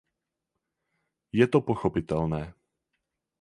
Je to pochopitelné.